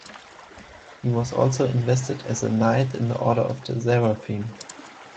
He was also invested as a Knight in the Order of the Seraphim.